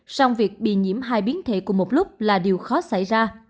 song việc bị nhiễm hai biến thể cùng một lúc là điều khó xảy ra